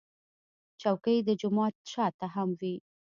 چوکۍ د جومات شا ته هم وي.